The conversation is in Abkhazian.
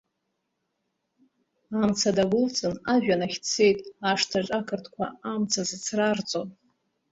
Амца дагәылҵын, ажәҩанахь дцеит, ашҭаҿ ақырҭқәа амца зыцрарҵо!